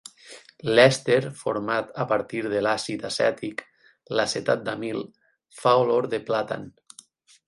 L'èster format a partir de l'àcid acètic, l'acetat d'amil, fa olor de plàtan.